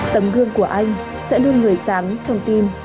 tấm gương của anh sẽ luôn người sáng trong tim của hàng triệu con người việt nam